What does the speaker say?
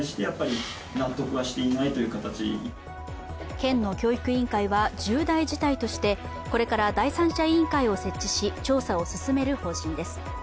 県の教育委員会は重大事態としてこれから第三者委員会を設置し調査を進める方針です。